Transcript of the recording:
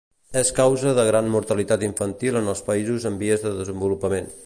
És causa de gran mortalitat infantil en els països en vies de desenvolupament.